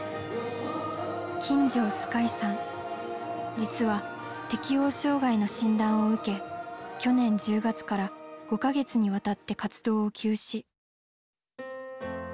実は適応障害の診断を受け去年１０月から５か月にわたって活動を休止。